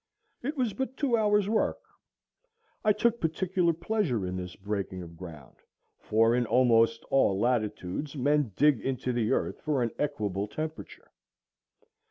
It was but two hours' work. I took particular pleasure in this breaking of ground, for in almost all latitudes men dig into the earth for an equable temperature.